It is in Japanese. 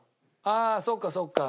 ああそうかそうか。